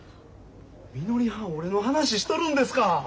みのりはん俺の話しとるんですか？